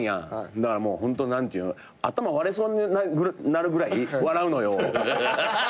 だからもうホント頭割れそうになるぐらい笑うのよ。